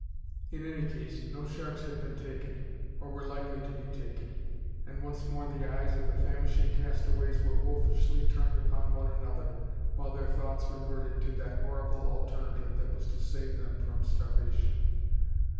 In any case, no sharks had been taken, or were likely to be taken; and once more the eyes of the famishing castaways were wolfishly turned upon one another, while their thoughts reverted to that horrible alternative that was to save them from starvation.